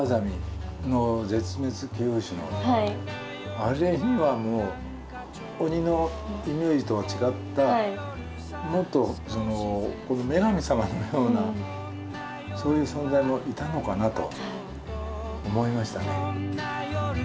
あれにはもう鬼のイメージとは違ったもっと女神様のようなそういう存在もいたのかなと思いましたね。